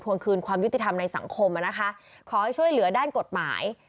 วงคืนความยุติธรรมในสังคมนะคะขอให้ช่วยเหลือด้านกฎหมาย